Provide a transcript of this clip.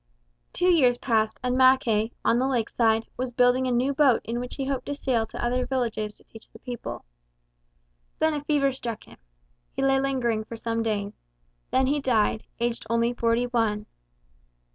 Two years passed; and Mackay, on the lake side, was building a new boat in which he hoped to sail to other villages to teach the people. Then a fever struck him. He lay lingering for some days. Then he died aged only forty one.